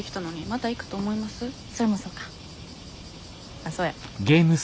あっそうや。